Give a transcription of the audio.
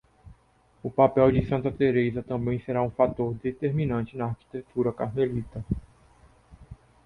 O papel de Santa Teresa também será um fator determinante na arquitetura carmelita.